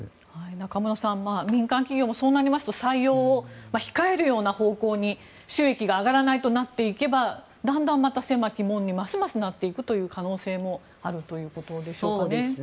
中室さん、民間企業もそうなりますと採用を控えるような方向に収益が上がらないとなっていけばだんだんまた狭き門にますますなっていく可能性もあるということですね。